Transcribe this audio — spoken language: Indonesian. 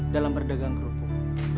dalam perdagangan kerupuk